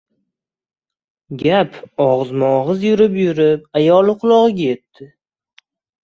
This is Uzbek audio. Gap og‘izma-og‘iz yurib-yurib, ayoli qulog‘iga yetdi.